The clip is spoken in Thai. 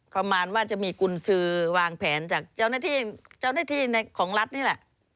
ประมาณว่าจะมีกุญศือวางแผนจากเจ้าหน้าที่ของรัฐนี่แหละ